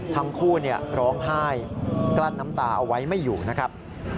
ทั้งคู่ร้องไห้กลั้นน้ำตาเอาไว้ไม่อยู่นะครับ